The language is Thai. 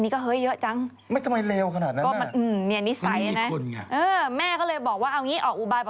ก็เยอะจังนี่นิสัยนะแม่ก็เลยบอกว่าเอาอย่างนี้ออกอุบาย